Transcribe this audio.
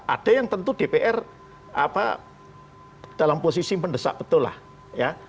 ada yang tentu dpr dalam posisi mendesak betul lah ya